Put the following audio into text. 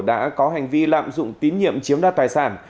đã có hành vi lạm dụng tín nhiệm chiếm đoạt tài sản